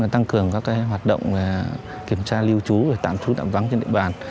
tăng cường các hoạt động kiểm tra lưu trú tạm trú tạm vắng trên địa bàn